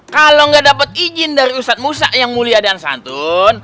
kalo gak dapet izin dari ustadz musa yang mulia dan santun